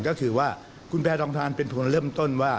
ก็คือว่าคุณแพทองทานเป็นทุนเริ่มต้นว่า